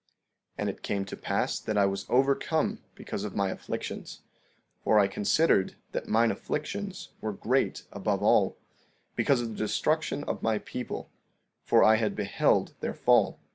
15:5 And it came to pass that I was overcome because of my afflictions, for I considered that mine afflictions were great above all, because of the destruction of my people, for I had beheld their fall.